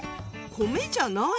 米じゃない。